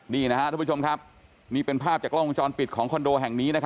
นี่นะครับทุกผู้ชมครับนี่เป็นภาพจากกล้องวงจรปิดของคอนโดแห่งนี้